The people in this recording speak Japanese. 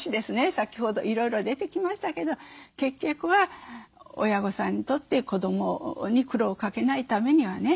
先ほどいろいろ出てきましたけど結局は親御さんにとって子どもに苦労をかけないためにはね